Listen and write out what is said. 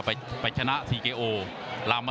พี่น้องอ่ะพี่น้องอ่ะ